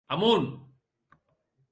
Amont!